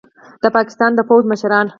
د پاکستان د پوځ مشران